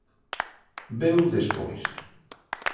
Veu despois.